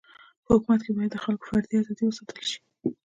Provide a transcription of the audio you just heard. په حکومت کي باید د خلکو فردي ازادي و ساتل سي.